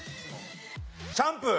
シャンプー。